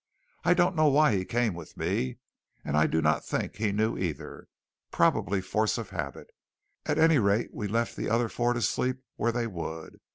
I don't know why he came with me, and I do not think he knew either. Probably force of habit. At any rate, we left the other four to sleep where they would.